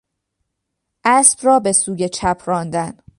اسب را به سوی چپ راندن